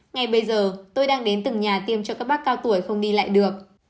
ngay bây giờ tôi đang đến từng nhà tiêm cho các bác cao tuổi không đi lại được